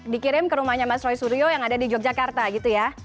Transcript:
dikirim ke rumahnya mas roy suryo yang ada di yogyakarta gitu ya